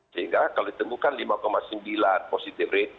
sehingga kalau ditemukan lima sembilan positive rate